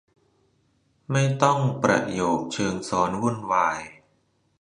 ไม่ต้องประโยคเชิงซ้อนวุ่นวาย